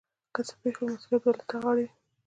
که څه پیښ شول مسؤلیت به تا له غاړې وي.